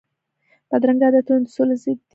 بدرنګه عادتونه د سولي ضد دي